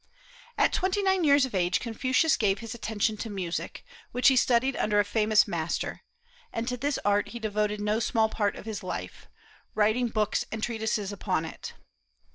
At twenty nine years of age Confucius gave his attention to music, which he studied under a famous master; and to this art he devoted no small part of his life, writing books and treatises upon it.